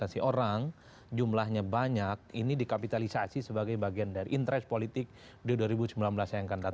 investasi orang jumlahnya banyak ini dikapitalisasi sebagai bagian dari interest politik di dua ribu sembilan belas yang akan datang